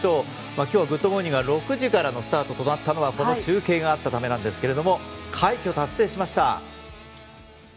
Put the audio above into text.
今日は「グッド！モーニング」のスタートが６時からのスタートとなったのはこの中継があったためなんですけれども快挙達成しました。